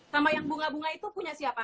sama yang bunga bunga itu punya siapa